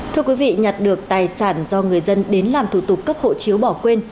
thưa quý vị nhặt được tài sản do người dân đến làm thủ tục cấp hộ chiếu bỏ quên